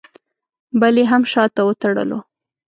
بل یې هم شاته وتړلو.